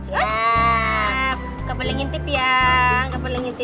gak boleh ngintip ya